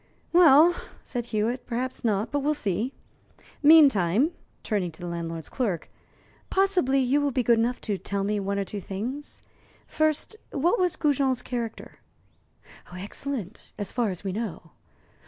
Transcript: "Well," said Hewitt, "perhaps not; but we'll see. Meantime" turning to the landlord's clerk "possibly you will be good enough to tell me one or two things. First, what was Goujon's character?" "Excellent, as far as we know.